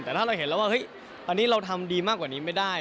แต่ถ้าเราเห็นแล้วว่าเฮ้ยอันนี้เราทำดีมากกว่านี้ไม่ได้